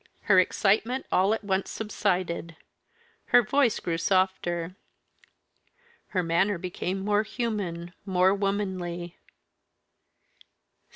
Her excitement all at once subsided; her voice grew softer. Her manner became more human, more womanly.